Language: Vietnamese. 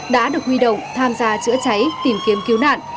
đã được huy động tham gia chữa cháy tìm kiếm cứu nạn